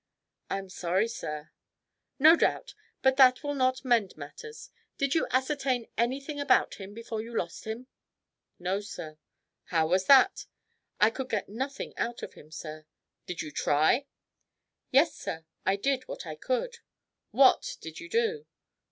"I am sorry, sir." "No doubt. But that will not mend matters. Did you ascertain anything about him before you lost him?" "No, sir." "How was that?" "I could get nothing out of him, sir." "Did you try?" "Yes, sir; I did what I could." "What did you do?"